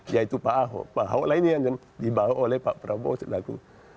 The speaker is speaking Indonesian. yaitu pak ahok pak ahok lainnya yang dibawa oleh pak prabowo selaku